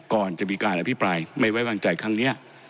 ก่อนจะมีการอภิปรายไม่ไว้วางใจครั้งนี้